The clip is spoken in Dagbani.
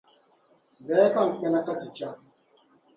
Zaya ka n kana ka ti chaŋ